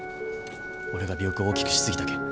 俺が尾翼を大きくしすぎたけん。